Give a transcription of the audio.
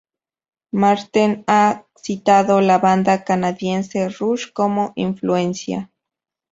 Marten ha citado la banda canadiense Rush como influencia.